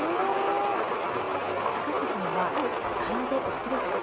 坂下さんはから揚げお好きですか？